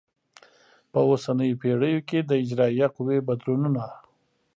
په اوسنیو پیړیو کې د اجرایه قوې بدلونونه